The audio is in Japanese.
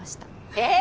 えっ！